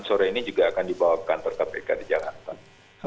pertama seharian ini juga akan dibawakan ke kpk di jakarta